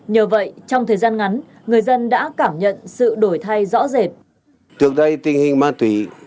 nhờ vậy trong thời gian ngắn người dân đã cảm nhận sự đổi thay rõ rệt